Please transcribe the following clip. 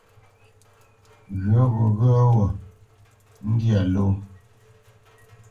Ghyə̌ gho yéghyə́ gho ndyâ ló.